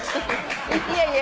いやいや。